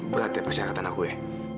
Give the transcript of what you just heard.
berat ya persyaratan aku ya